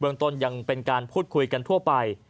ต้นยังเป็นการพูดคุยกันทั่วไป